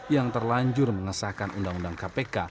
yang terlanjur mengesahkan undang undang kpk